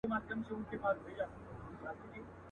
زوی او لور به یې نهر ورته پراته وه.